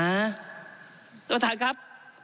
ท่านประธานครับ